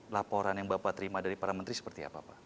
laporan yang bapak terima dari para menteri seperti apa pak